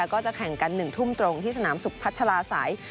ก็จะแข่งกัน๑ทุ่มตรงที่สนามสุขพัชลาศัย